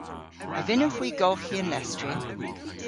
A vynnowgh hwi golghi an lestri?